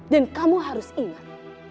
dan kamu harus ingat